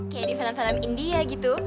kayak di film film india gitu